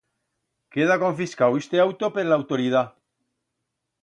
Queda confiscau iste auto per l'autoridat.